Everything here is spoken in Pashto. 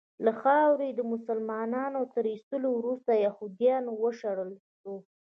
له خاورې د مسلمانانو تر ایستلو وروسته یهودیان وشړل سول.